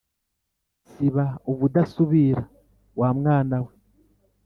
siba ubudasubira wa mwana we